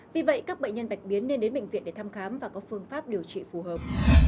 vì vậy các bệnh nhân bạch biến nên đến bệnh viện để thăm khám và có phương pháp điều trị phù hợp